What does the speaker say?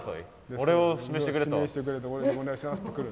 俺を指名してくれとお願いしますって来る。